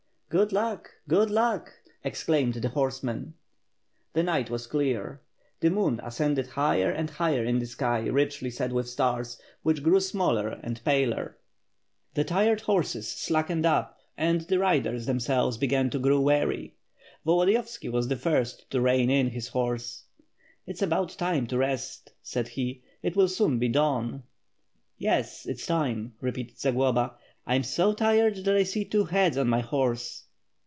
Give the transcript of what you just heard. "Good luck! Good luck!" exclaimed the horsemen. The night was clear. The moon ascended higher and higher in the sky richly set with stars, which grew smaller WITH FIRE AND SWORD, 663 and paler. The tired horses slackened up and the riders themselves began to grow weary. Volodiyovski was the first to rein in his horse. "It's about time to rest/' said he, "it will soon be dawn.'^ "Yes, it is time," repeated Zagloba. "I am so tired that I see two heads on my horse."